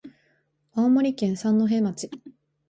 青森県三戸町